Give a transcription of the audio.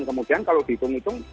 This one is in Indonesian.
kemudian kalau dihitung hitung